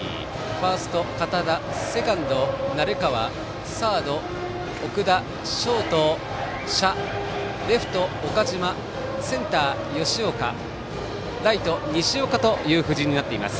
ファースト、堅田セカンド、鳴川サード、奥田ショート、謝レフト、奥田センター、吉岡ライト、西岡という布陣になっています。